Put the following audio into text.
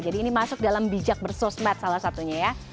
jadi ini masuk dalam bijak bersosmed salah satunya ya